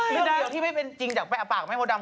เรื่องเดียวที่ไม่เป็นจริงจากแปะปากแม่โมดำ